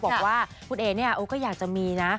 บอกว่าคุณเอ๋เนี่ยก็อยากจะมีนะ